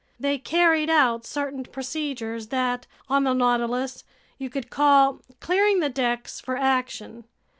They carried out certain procedures that, on the Nautilus, you could call "clearing the decks for action."